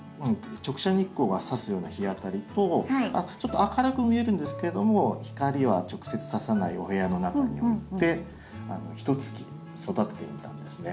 直射日光がさすような日当たりとちょっと明るく見えるんですけれども光は直接ささないお部屋の中に置いてひとつき育ててみたんですね。